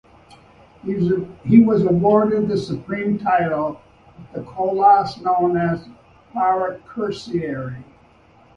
He was awarded the supreme title of the Cholas known as Parakesari.